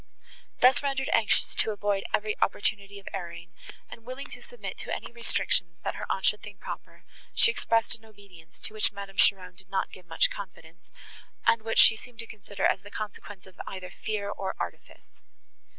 Thus rendered anxious to avoid every opportunity of erring, and willing to submit to any restrictions, that her aunt should think proper, she expressed an obedience, to which Madame Cheron did not give much confidence, and which she seemed to consider as the consequence of either fear, or artifice.